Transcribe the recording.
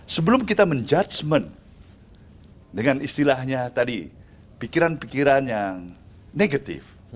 sebelum kita menjudgement dengan istilahnya tadi pikiran pikiran yang negatif